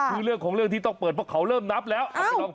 คือเรื่องของเรื่องที่ต้องเปิดเพราะเขาเริ่มนับแล้ว